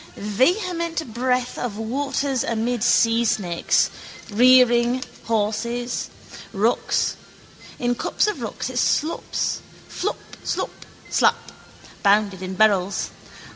Vehement breath of waters amid seasnakes, rearing horses, rocks. In cups of rocks it slops: flop, slop, slap: bounded in barrels.